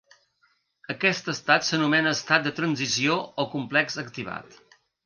Aquest estat s'anomena estat de transició o complex activat.